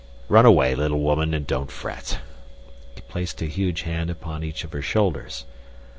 Run away, little woman, and don't fret." He placed a huge hand upon each of her shoulders.